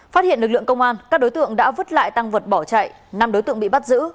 phát hiện lực lượng công an các đối tượng đã vứt lại tăng vật bỏ chạy năm đối tượng bị bắt giữ